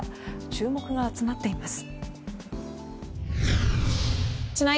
注目が集まっています。